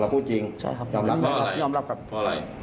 รันเขาจริงแต่ผมไม่ได้ไปทำไร